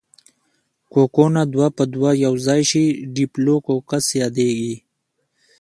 کوکونه دوه په دوه یوځای شي ډیپلو کوکس یادیږي.